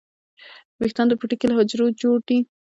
ویښتان د پوټکي له حجرو جوړ دي